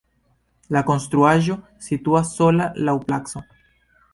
La konstruaĵo situas sola laŭ placo.